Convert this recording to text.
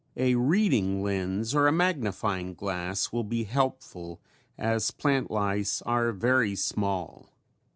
A reading lens or a magnifying glass will be helpful as plant lice are very small.